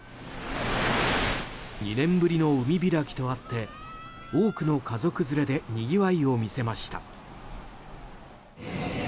２年ぶりの海開きとあって多くの家族連れでにぎわいを見せました。